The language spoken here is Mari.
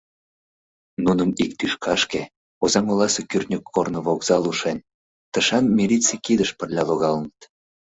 Нуным ик тӱшкашке Озаҥ оласе кӱртньӧ корно вокзал ушен — тышан милиций кидыш пырля логалыныт.